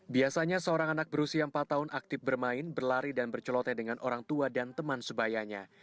biasanya seorang anak berusia empat tahun aktif bermain berlari dan bercelote dengan orang tua dan teman sebayanya